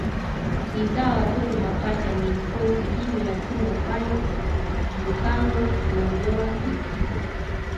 Ukizaa watoto mapacha ni mkosi hivyo lazima ufanye bhukango kuondoa mikosi